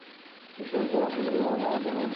এ বিদ্যালয়ের প্রধান শিক্ষক জনাব মোহাম্মদ মঈন উদ্দীন।